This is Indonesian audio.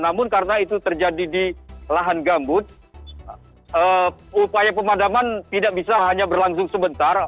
namun karena itu terjadi di lahan gambut upaya pemadaman tidak bisa hanya berlangsung sebentar